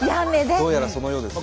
どうやらそのようですね。